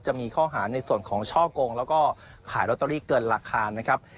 จะมีข้อหาในส่วนของช่อกงแล้วก็ขายลอตเตอรี่เกินราคานะครับ